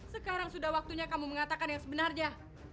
sekarang sudah waktunya kamu mengatakan yang sebenarnya